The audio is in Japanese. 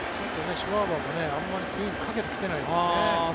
シュワバーもあまりスイングかけてきてないですね。